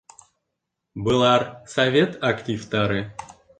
Былар — совет активтары.